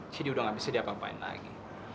jadi udah ga bisa diapa apain lagi